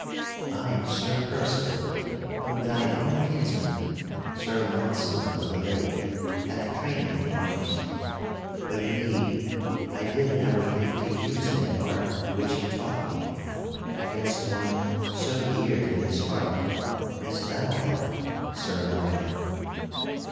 I am Sir Percival, whom thine own kinsman, Sir Launcelot of the Lake, hath trained in arms. But indeed, I did never think to use that art which he taught me against one so dear to his heart as thou art, Sir Lionel."